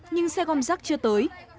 nhưng xe gom giác chưa tới